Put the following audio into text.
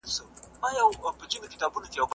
تاسو باید د ډاکټرانو مشورې په جدي ډول ومنئ.